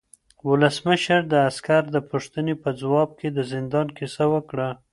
ولسمشر د عسکر د پوښتنې په ځواب کې د زندان کیسه وکړه.